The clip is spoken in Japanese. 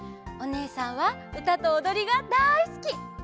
おねえさんはうたとおどりがだいすき。